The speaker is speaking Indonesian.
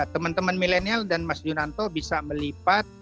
teman teman milenial dan mas yunanto bisa melipat